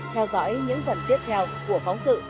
theo dõi những phần tiếp theo của phóng sự